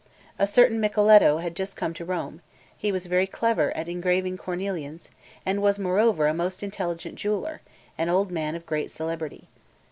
A certain Micheletto had just come to Rome; he was very clever at engraving cornelians, and was, moreover, a most intelligent jeweller, an old man and of great celebrity.